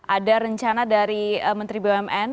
ada rencana dari menteri bumn